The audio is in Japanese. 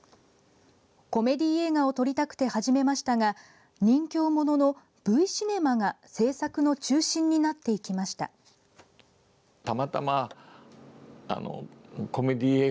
コメディー映画を撮りたくて始めましたが任きょうもののＶシネマが制作の中心になっていきました。